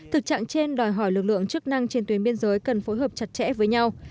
thực trạng trên đòi hỏi lực lượng chức năng trên tuyến biên giới cần phối hợp chặt chẽ với nhau